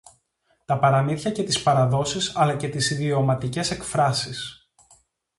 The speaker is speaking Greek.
τα παραμύθια και τις παραδόσεις, αλλά και τις ιδιωματικές εκφράσεις,